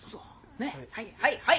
ねえはいはいはい！